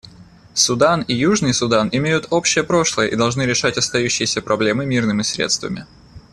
Судан и Южный Судан имеют общее прошлое и должны решать остающиеся проблемы мирными средствами.